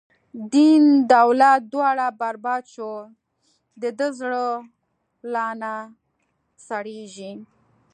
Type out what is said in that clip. دین دولت دواړه برباد شو، د ده زړه لانه سړیږی